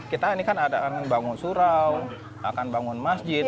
kita ini kan ada akan bangun surau akan bangun masjid